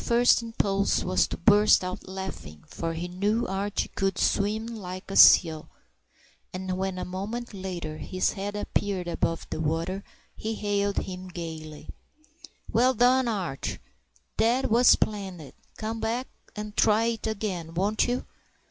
"] Hugh's first impulse was to burst out laughing, for he knew Archie could swim like a seal; and when, a moment later, his head appeared above the water, he hailed him gaily: "Well done, Arch! That was splendid! Come back and try it again, won't you?"